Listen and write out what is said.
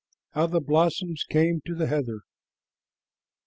HOW THE BLOSSOMS CAME TO THE HEATHER.